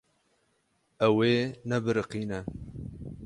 Ew ê nebiriqîne.